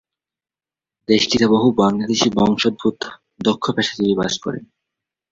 দেশটিতে বহু বাংলাদেশি বংশোদ্ভূত দক্ষ পেশাজীবী বাস করেন।